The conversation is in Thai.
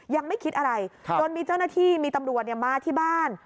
ยังไม่คิดอะไรจนมีเจ้าหน้าที่มีตำรวจมาที่บ้าน